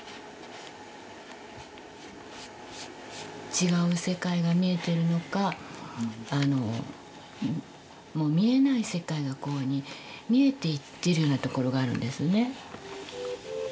違う世界が見えてるのかもう見えない世界がこういうふうに見えていってるようなところがあるんですね。